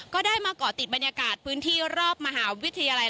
ก็ได้มาเกาะติดบรรยากาศพื้นที่รอบมหาวิทยาลัย